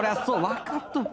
分かっとる！